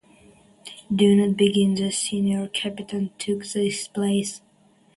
Dunnett, being the senior Captain, took his place.